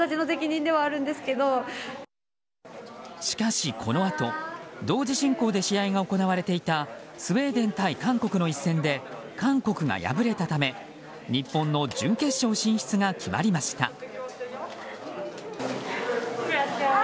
しかし、このあと同時進行で試合が行われていたスウェーデン対韓国の一戦で韓国が敗れたため日本の準決勝進出が決まりました。